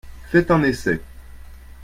Faites un essai.